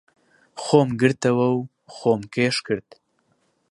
خۆم گرتەوە و خۆم کێش کرد.